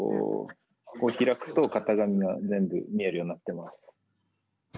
こう開くと型紙が全部見えるようになってます。